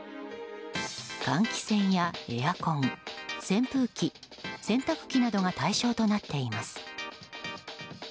換気扇やエアコン扇風機、洗濯機などが対象となっています。